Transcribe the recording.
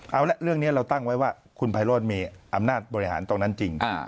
เอาละเรื่องนี้เราตั้งไว้ว่าคุณไพโรธมีอำนาจบริหารตรงนั้นจริง